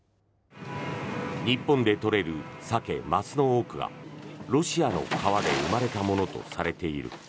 日本で取れるサケ・マスの多くがロシアの川で生まれたものとされている。